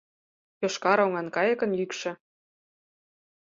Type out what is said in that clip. Йошкар оҥан кайыкын йӱкшӧ